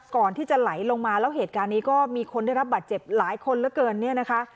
ก่อนที่จะไหลลงมาแล้วเหตุการณ์นี้ก็มีคนได้รับบาดเจ็บหลายคนเหลือเกินเนี่ยนะคะ